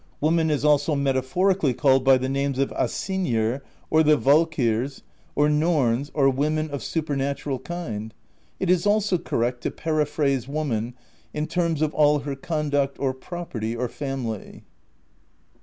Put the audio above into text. Woman is also metaphorically called by the names of the Asynjur or the Valkyrs or Norns or women of supernatural kind. It is also correct to periphrase woman in terms of all her conduct or property or family.